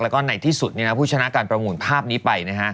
แล้วก็ในที่สุดผู้ชนะการประมูลภาพนี้ไป